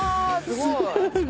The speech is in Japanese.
すごい。